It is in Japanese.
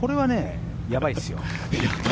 やばいですか。